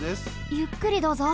ゆっくりどうぞ。